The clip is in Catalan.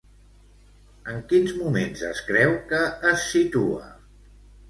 En quins moments es creu que es situa?